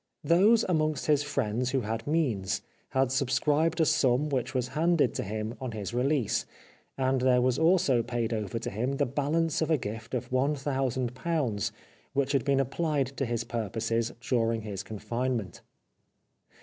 Those amongst his friends who had means had sub scribed a sum which was handed to him on his release, and there was also paid over to him the balance of a gift of one thousand pounds which had been applied to his purposes during his confinement.